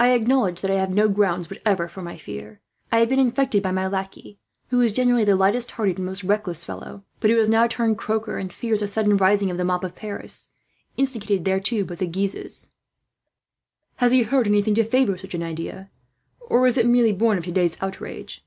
I acknowledge that I have no grounds whatever for my fear. I have been infected by my lackey, who is generally the lightest hearted and most reckless fellow; but who has now turned croaker, and fears a sudden rising of the mob of Paris, instigated thereto by the Guises." "Has he heard anything to favour such an idea, or is it merely born of today's outrage?"